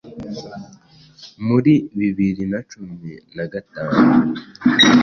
Muri bibiri nacumi nagatanu